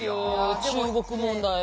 中国問題。